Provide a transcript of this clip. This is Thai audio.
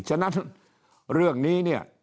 ฉะนั้นเรื่องนี้เนี่ย